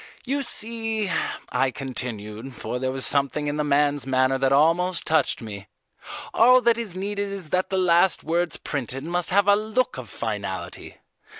You see," I continued, for there was something in the man's manner that almost touched me, "all that is needed is that the last words printed must have a look of finality.